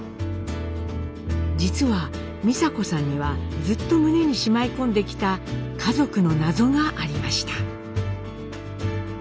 実は美佐子さんにはずっと胸にしまい込んできた家族の謎がありました。